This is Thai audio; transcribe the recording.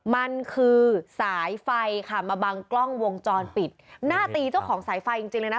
มันคือสายไฟค่ะมาบังกล้องวงจรปิดหน้าตีเจ้าของสายไฟจริงจริงเลยนะ